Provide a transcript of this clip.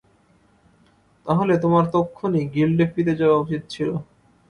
তাহলে তোমার তক্ষুণি গিল্ডে ফিরে যাওয়া উচিত ছিলো।